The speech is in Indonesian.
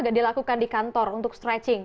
juga dilakukan di kantor untuk stretching